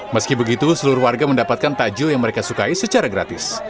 meski begitu seluruh warga mendapatkan tajul yang mereka sukai secara gratis